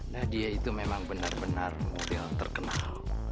nadia itu memang benar benar model terkenal